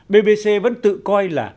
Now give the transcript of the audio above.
bbc vẫn tự coi là